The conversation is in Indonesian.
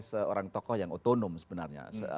seorang tokoh yang otonom sebenarnya